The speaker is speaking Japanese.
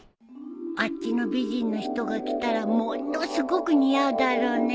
あっちの美人の人が着たらものすごく似合うだろうね。